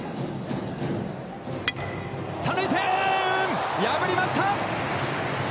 三塁線、破りました！